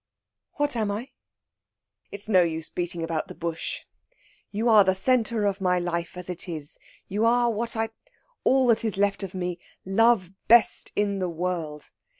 "What am I?" "It's no use beating about the bush. You are the centre of my life as it is, you are what I all that is left of me love best in the world!